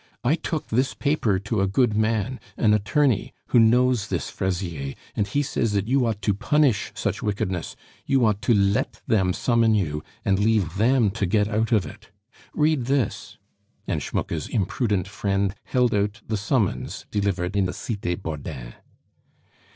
I took this paper to a good man, an attorney who knows this Fraisier, and he says that you ought to punish such wickedness; you ought to let them summon you and leave them to get out of it. Read this," and Schmucke's imprudent friend held out the summons delivered in the Cite Bordin.